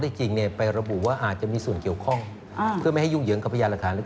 ท่านทราบเรื่องนี้แล้วใช่ไหมคะเรื่องที่มีบางส่วน